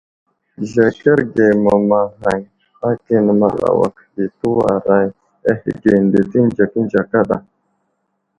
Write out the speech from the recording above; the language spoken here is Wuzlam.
Zəkerge mamaghay akane Malawak ɗi tewaray ahəge nde tenzekənze kada.